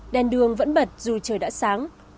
đèn đường vẫn bật dù trời đã sáng